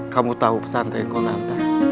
kamu tahu pesan dari konek nanti